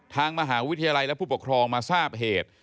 ทางมหาวิทยาลัยและผู้ปกครองมาทราบเหตุ